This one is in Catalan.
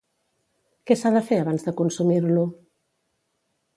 Què s'ha de fer abans de consumir-lo?